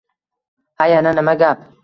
— Ha, yana nima gap?